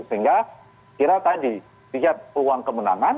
sehingga kira tadi lihat peluang kemenangan